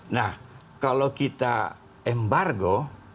nah kalau kita embargo